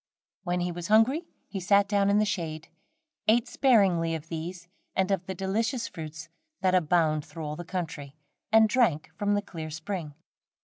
When he was hungry, he sat down in the shade, ate sparingly of these and of the delicious fruits that abound through all the country, and drank from the clear spring.